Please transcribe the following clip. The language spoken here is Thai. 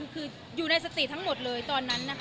คืออยู่ในสติทั้งหมดเลยตอนนั้นนะคะ